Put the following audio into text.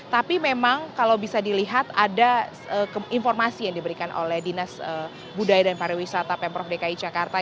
tapi memang kalau bisa dilihat ada informasi yang diberikan oleh dinas budaya dan pariwisata pemprov dki jakarta